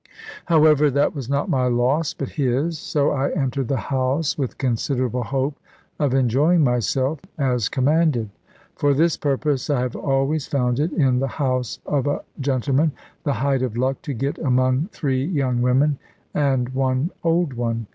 However, that was not my loss, but his; so I entered the house, with considerable hope of enjoying myself, as commanded. For this purpose I have always found it, in the house of a gentleman, the height of luck to get among three young women and one old one.